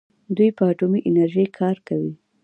دوی په اټومي انرژۍ کار کوي.